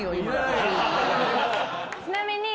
ちなみに。